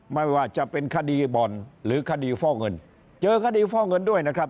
ไม่ว่าจะเป็นคดีบ่อนหรือคดีฟอกเงินเจอคดีฟอกเงินด้วยนะครับ